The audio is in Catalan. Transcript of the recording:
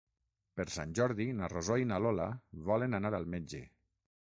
Per Sant Jordi na Rosó i na Lola volen anar al metge.